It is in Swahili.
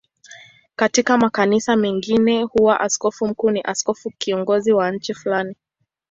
Katika makanisa mengine huwa askofu mkuu ni askofu kiongozi wa nchi fulani.